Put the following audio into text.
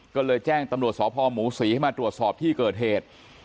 ก็เลยแจ้งตำรวจสพหมูศรีให้มาตรวจสอบที่เกิดเหตุ